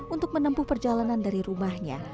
untuk menempuh perjalanan dari rumahnya